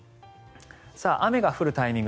雨が降るタイミング